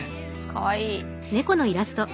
かわいい。